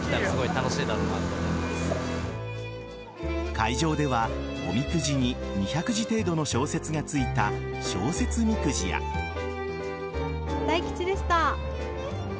会場では、おみくじに２００字程度の小説がついた大吉でした。